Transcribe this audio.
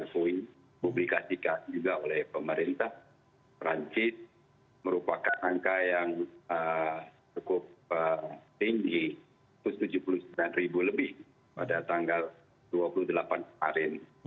poin publikasikan juga oleh pemerintah perancis merupakan angka yang cukup tinggi satu ratus tujuh puluh sembilan ribu lebih pada tanggal dua puluh delapan kemarin